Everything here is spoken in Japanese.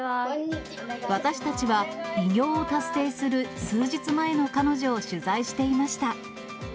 私たちは、偉業を達成する数日前の彼女を取材していました。